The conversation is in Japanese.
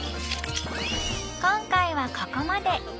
今回はここまで。